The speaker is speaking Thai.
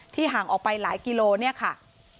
ที่ห่างออกไปหลายกิโลกรัม